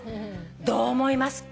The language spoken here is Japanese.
「どう思いますか？」